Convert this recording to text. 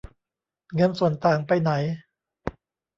เงินส่วนต่างไปไหน